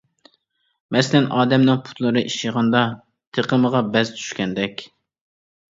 مەسىلەن:ئادەمنىڭ پۇتلىرى ئىششىغاندا، تېقىمىغا بەز چۈشكەندەك.